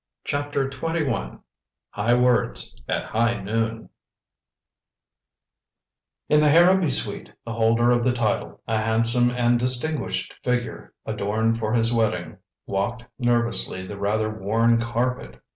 CHAPTER XXI HIGH WORDS AT HIGH NOON In the Harrowby suite the holder of the title, a handsome and distinguished figure, adorned for his wedding, walked nervously the rather worn carpet.